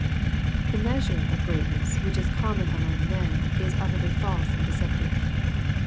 "' The measure of greatnees which is common among men is utterly false and deceptive.